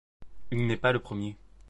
Il n'est pas le premier.